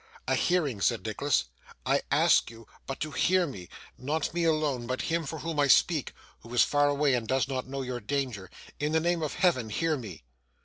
'A hearing,' said Nicholas. 'I ask you but to hear me: not me alone, but him for whom I speak, who is far away and does not know your danger. In the name of Heaven hear me!